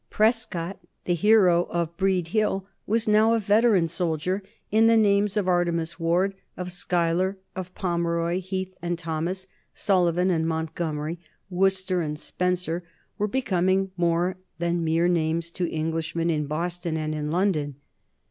Prescott, the hero of Breed Hill, was now a veteran soldier; and the names of Artemas Ward, of Schuyler, of Pomeroy, Heath and Thomas, Sullivan and Montgomery, Wooster and Spencer were becoming more than mere names to Englishmen in Boston and in London.